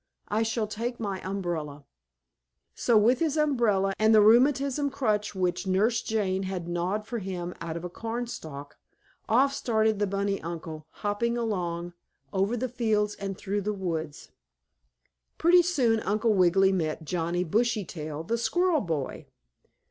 I shall take my umbrella." So, with his umbrella, and the rheumatism crutch which Nurse Jane had gnawed for him out of a cornstalk, off started the bunny uncle, hopping along over the fields and through the woods. Pretty soon Uncle Wiggily met Johnnie Bushytail, the squirrel boy.